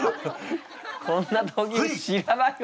こんな闘牛知らないわ。